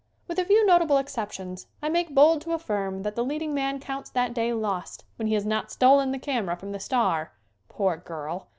With a few notable exceptions, I make bold to affirm that the leading man counts that day lost when he has not stolen the camera from the star (poor girl!)